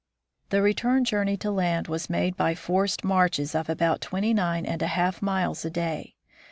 . The return journey to land was made by forced marches of about twenty nine and a half miles a day.